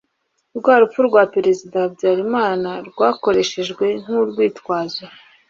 rwa urupfu rwa perezida habyarimana rwakoreshejwe nk urwitwazo